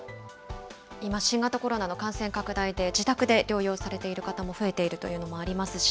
今、新型コロナの感染拡大で、自宅で療養されている方も増えているというのもありますし、